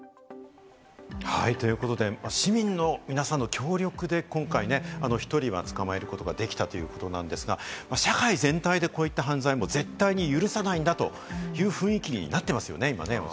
市民の皆さんの協力で今回、１人は捕まえることができたということなんですが、社会全体でこういった犯罪を絶対許さないんだという雰囲気になってますよね、今。